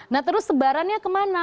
nah terus sebarannya kemana